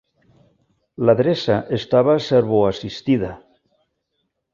L'adreça estava servo-assistida.